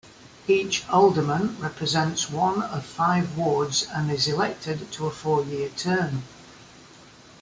Each alderman represents one of five wards and is elected to a four-year term.